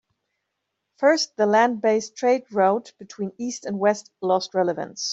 First, the land based trade route between east and west lost relevance.